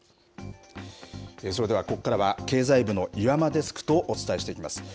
それではここからは、経済部の岩間デスクとお伝えしていきます。